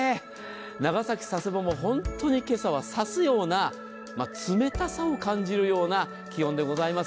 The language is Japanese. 長崎・佐世保も本当に今朝は刺すような冷たさを感じるような気温でございます。